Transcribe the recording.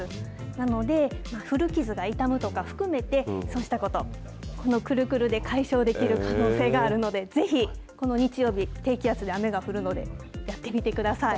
なので、古傷が痛むとか含めて、そうしたこと、このくるくるで解消できる可能性があるので、ぜひ、この日曜日、低気圧で雨が降るので、やってみてください。